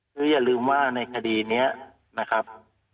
คืออย่าลืมว่าในคดีนี้นะครับ